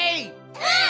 うん！